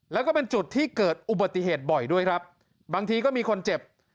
แล้วก็เป็นจุดที่เกิดอุบัติเหตุบ่อยด้วยครับบางทีก็มีคนเจ็บ